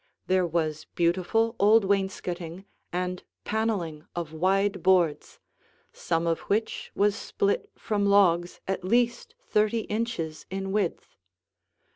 There was beautiful old wainscoting and paneling of wide boards, some of which was split from logs at least thirty inches in width.